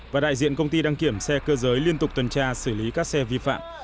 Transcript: và đại diện công ty đăng kiểm xe cơ giới liên tục tuần tra xử lý các xe vi phạm